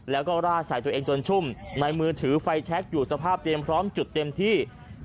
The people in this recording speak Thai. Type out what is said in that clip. แล้วก็ราดใส่ตัวเองจนชุ่มในมือถือไฟแชคอยู่สภาพเตรียมพร้อมจุดเต็มที่